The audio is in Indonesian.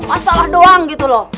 masalah doang gitu loh